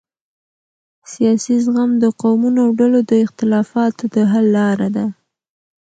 سیاسي زغم د قومونو او ډلو د اختلافاتو د حل لاره ده